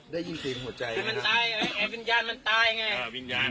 ได้ยินเสียงหัวใจมั้ยได้มันตายไอ้วิญญาณมันตายไง